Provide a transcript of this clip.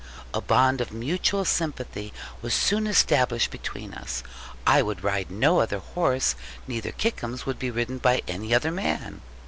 A bond of mutual sympathy was soon established between us; I would ride no other horse, neither Kickums be ridden by any other man.